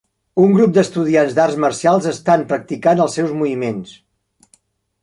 Un grup d'estudiants d'arts marcials estan practicant els seus moviments.